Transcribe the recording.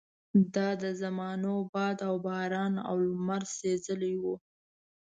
دا د زمانو باد او باران او لمر سېزلي وو.